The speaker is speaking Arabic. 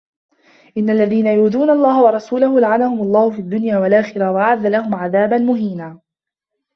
إِنَّ الَّذينَ يُؤذونَ اللَّهَ وَرَسولَهُ لَعَنَهُمُ اللَّهُ فِي الدُّنيا وَالآخِرَةِ وَأَعَدَّ لَهُم عَذابًا مُهينًا